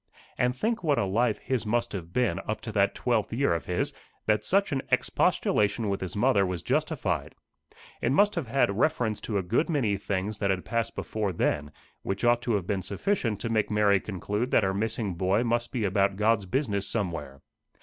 And think what a life his must have been up to that twelfth year of his, that such an expostulation with his mother was justified. It must have had reference to a good many things that had passed before then, which ought to have been sufficient to make Mary conclude that her missing boy must be about God's business somewhere.